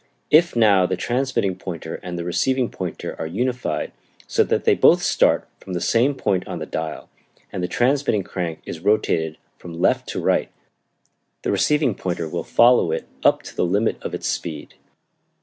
If now the transmitting pointer and the receiving pointer are unified so that they both start from the same point on the dial, and the transmitting crank is rotated from left to right, the receiving pointer will follow it up to the limit of its speed.